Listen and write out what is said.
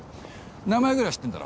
名前ぐらい知ってんだろ？